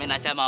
bentar ya bang